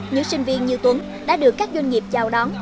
những sinh viên như tuấn đã được các doanh nghiệp chào đón